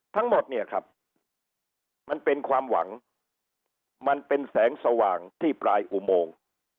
ทั้งหมดเนี่ยครับมันเป็นความหวังมันเป็นแสงสว่างที่ปลายอุโมง